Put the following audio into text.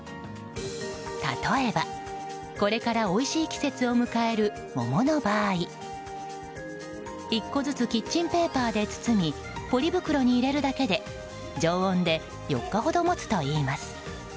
例えばこれからおいしい季節を迎える桃の場合１個ずつキッチンペーパーで包みポリ袋に入れるだけで常温で４日ほど持つといいます。